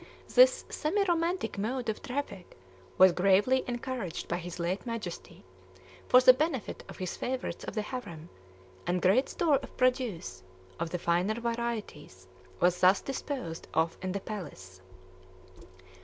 This semi romantic mode of traffic was gravely encouraged by his late Majesty, for the benefit of his favorites of the harem; and great store of produce, of the finer varieties, was thus disposed of in the palace.